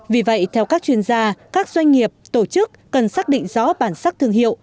vì vậy theo các chuyên gia các doanh nghiệp tổ chức cần xác định rõ bản sắc thương hiệu